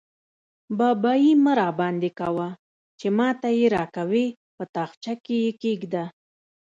بابايي مه راباندې کوه؛ چې ما ته يې راکوې - په تاخچه کې يې کېږده.